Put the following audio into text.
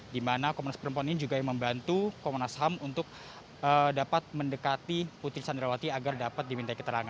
di mana komnas perempuan ini juga membantu komnas ham untuk dapat mendekati putri candrawati